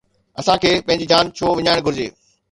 اسان کي پنهنجي جان ڇو وڃائڻ گهرجي؟